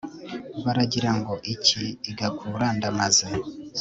baragira ngo iki igakura ndamaze